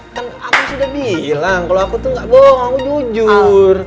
kan aku sudah bilang kalau aku tuh gak bohong aku jujur